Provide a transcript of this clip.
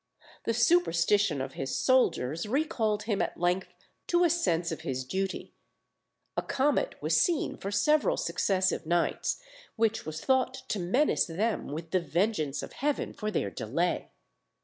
The superstition of his soldiers recalled him at length to a sense of his duty: a comet was seen for several successive nights, which was thought to menace them with the vengeance of Heaven for their delay.